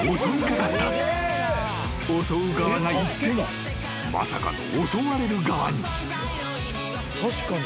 ［襲う側が一転まさかの襲われる側に］